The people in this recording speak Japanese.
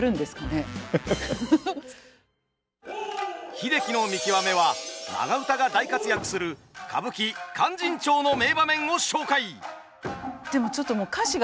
「英樹の見きわめ」は長唄が大活躍する歌舞伎「勧進帳」の名場面を紹介！